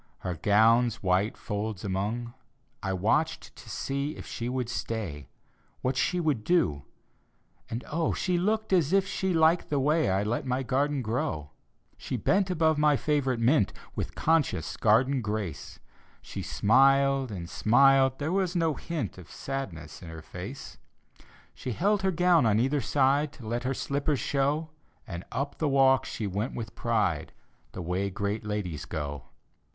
Her gown's white folds among. I watched to sec if she would stay, What she would do — and oh! She looked as if she liked the way I let my garden growl D,gt,, erihyGOOgle Tke Haunted Hour She bent above my favorite mint With conscious garden grace, She aniled and smiled — there was no hint Of sadness in her face. She held her ^wn on either side To let her slippers show. And up the walk she went with pride, The way great ladies go.